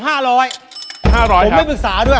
๕๐๐ครับมึงไม่ปรึกษาด้วย